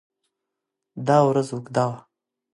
دا ورځ اوږده وه.